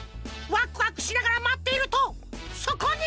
ワクワクしながらまっているとそこに！